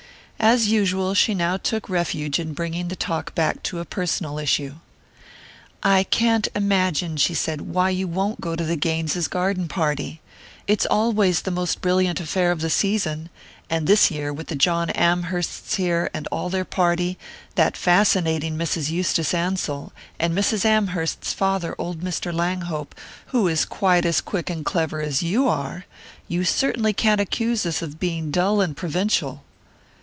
As usual, she now took refuge in bringing the talk back to a personal issue. "I can't imagine," she said, "why you won't go to the Gaines's garden party. It's always the most brilliant affair of the season; and this year, with the John Amhersts here, and all their party that fascinating Mrs. Eustace Ansell, and Mrs. Amherst's father, old Mr. Langhope, who is quite as quick and clever as you are you certainly can't accuse us of being dull and provincial!"